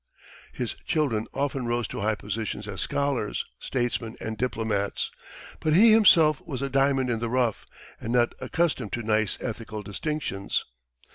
His children often rose to high positions as scholars, statesmen, and diplomats. But he himself was a diamond in the rough, and not accustomed to nice ethical distinctions.